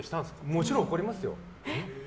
もちろん起こりますよ。